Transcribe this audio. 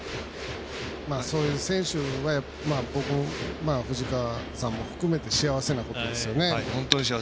そういう選手藤川さんも含めて幸せなことですよね。